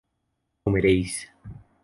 comeréis